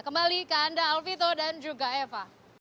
kembali ke anda alfito dan juga eva